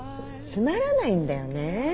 つまらないんだよね。